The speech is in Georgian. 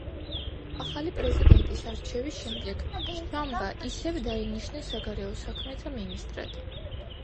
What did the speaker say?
ახალი „პრეზიდენტის“ არჩევის შემდეგ შამბა ისევ დაინიშნა საგარეო საქმეთა მინისტრად.